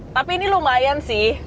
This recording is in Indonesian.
tapi ini lumayan sih